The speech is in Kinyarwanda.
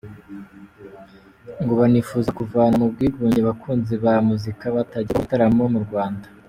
Ngo banifuza kuvana mu bwigunge abakunzi ba muzika batagerwaho n’ibitaramo mu Rwanda.